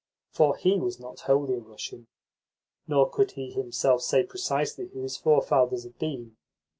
For he was not wholly a Russian, nor could he himself say precisely who his forefathers had been.